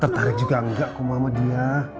tertarik juga enggak kamu sama dia